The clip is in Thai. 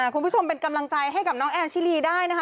คุณผู้ชมเป็นกำลังใจให้กับน้องแอนชิลีได้นะคะ